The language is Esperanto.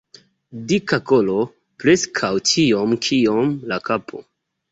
Dika kolo, preskaŭ tiom kiom la kapo.